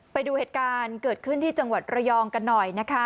ไปดูเหตุการณ์เกิดขึ้นที่จังหวัดระยองกันหน่อยนะคะ